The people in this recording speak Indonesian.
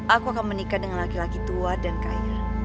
aku akan menikah dengan laki laki tua dan kair